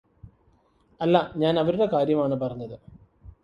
അല്ല ഞാന് അവരുടെ കാര്യമാണ് പറഞ്ഞത്